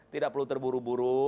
tidak perlu terburu buru